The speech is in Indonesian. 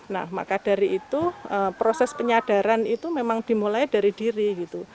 nah maka dari itu proses penyadaran itu memang dimulai dari diri gitu